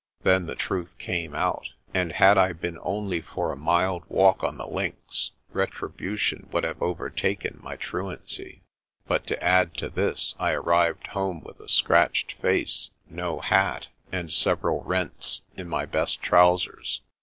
Then the truth came out, and, had I been only for a mild walk on the links, retribution would have overtaken my truantry. But to add to this I arrived home with a scratched face, no hat, and several rents in my best trousers.